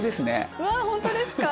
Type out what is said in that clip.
本当ですか！